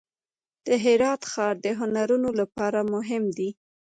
د هرات ښار د هنرونو لپاره مهم دی.